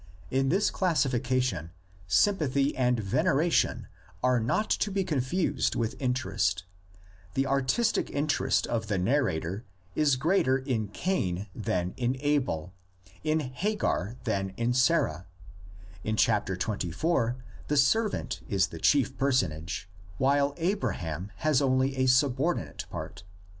In this classification sympathy and veneration are not to be confused with interest; the artistic interest of the narrator is greater in Cain than in Abel, in Hagar than in Sarah; in chap, xxiv, the servant is the chief personage while Abra ham has only a subordinate part.